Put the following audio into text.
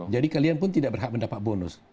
jadi kalian pun tidak berhak mendapat bonus